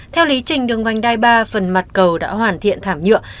theo lý trình đường vành đai ba phần mặt cầu đã hoàn thiện thảm nhựa